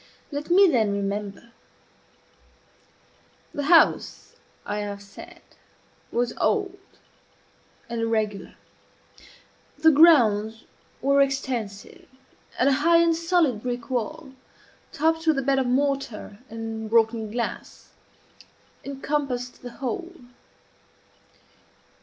Let me then remember. The house, I have said, was old and irregular. The grounds were extensive, and a high and solid brick wall, topped with a bed of mortar and broken glass, encompassed the whole.